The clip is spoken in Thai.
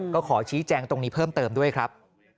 ก็ขอชี้แจงตรงนี้เพิ่มเติมด้วยครับ